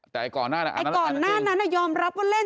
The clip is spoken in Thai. แต่ไอ้ก่อนหน้านั้นอะยอมรับว่าเล่น